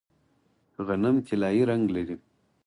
غنم طلایی رنګ لري.